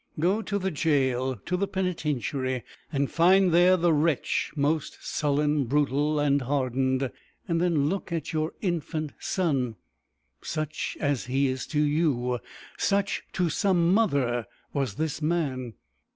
Go to the jail, to the penitentiary, and find there the wretch most sullen, brutal, and hardened. Then look at your infant son. Such as he is to you, such to some mother was this man.